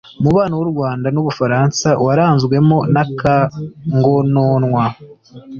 umubano w’u Rwanda n’u Bufaransa waranzwemo n’akangononwa